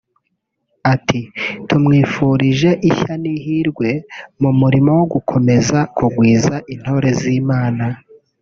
ati“Tumwifurije ishya n’ihirwe mu murimo wo gukomeza kugwiza intore z’Imana